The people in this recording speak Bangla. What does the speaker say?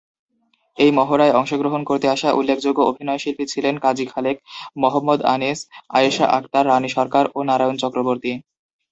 এই মহড়ায় অংশগ্রহণ করতে আসা উল্লেখযোগ্য অভিনয়শিল্পী ছিলেন কাজী খালেক, মহম্মদ আনিস, আয়েশা আক্তার, রানী সরকার, ও নারায়ণ চক্রবর্তী।